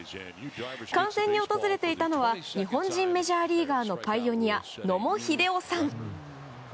観戦に訪れていたのは日本人メジャーリーガーのパイオニア、野茂英雄さん。